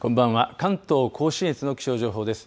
関東甲信越の気象情報です。